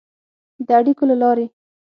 د اړیکو له لارې